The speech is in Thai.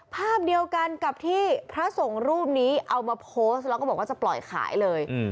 ภาพเดียวกันกับที่พระสงฆ์รูปนี้เอามาโพสต์แล้วก็บอกว่าจะปล่อยขายเลย